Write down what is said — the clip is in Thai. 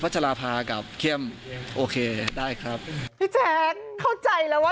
พระจราพากับเคียมโอเคได้กับพี่แจ้งเข้าใจแล้วว่า